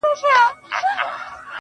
اوس د چا پر پلونو پل نږدم بېرېږم.